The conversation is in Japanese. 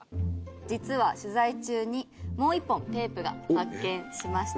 実は取材中にもう１本テープが発見しました。